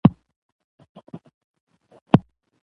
اتڼ د نړۍ خلک پيژني